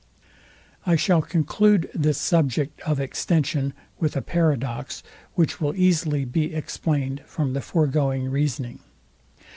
I shall conclude this subject of extension with a paradox, which will easily be explained from the foregoing reasoning.